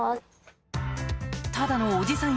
ただのおじさん